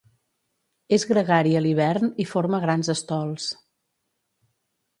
És gregari a l'hivern i forma grans estols.